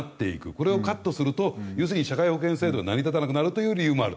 これをカットすると要するに社会保険制度が成り立たなくなるという理由もある。